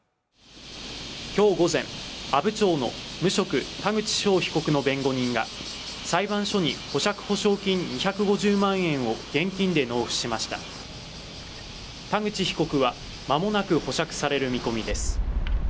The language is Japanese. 今日午前阿武町の無職田口翔被告の弁護人が裁判所に保釈保証金２５０万円を現金で納付しました田口被告はまもなく保釈される見込みです